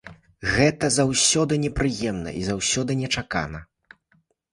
Гэта заўсёды непрыемна і заўсёды нечакана.